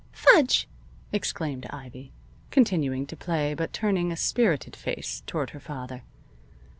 "Fudge!" exclaimed Ivy, continuing to play, but turning a spirited face toward her father.